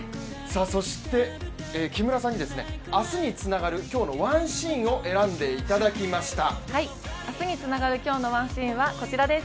そして木村さんに明日につながる今日の１シーンを選んでいただきました。